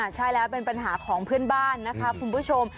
ใช่แล้วเป็นปัญหาของเพื่อนบ้านนะคะคุณผู้ชม